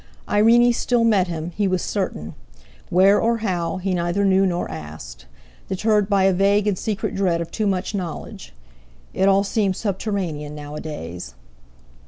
Irene still met him, he was certain; where, or how, he neither knew, nor asked; deterred by a vague and secret dread of too much knowledge. It all seemed subterranean nowadays.